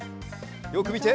よくみて。